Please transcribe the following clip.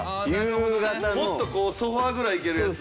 もっとこうソファぐらいいけるやつ？